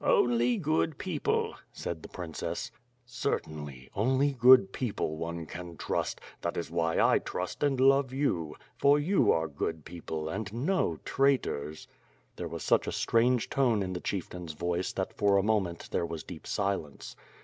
"Only' good people," said the princess. "Certainly, only good people one can trust; that is why I trust and love you, for you are good people, and no traitors There was such a strange tone in the chieftain's voice that for a moment there was deep silence.